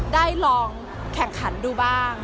ได้ลองแข่งขันดูบ้าง